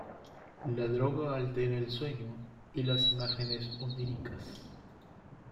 La droga altera el sueño y las imágenes oníricas.